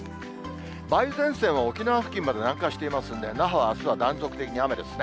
梅雨前線は沖縄付近まで南下していますんで、那覇はあすは断続的に雨ですね。